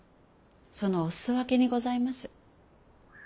そのお裾分けにございます。